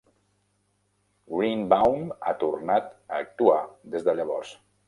Greenbaum ha tornat a actuar des de llavors.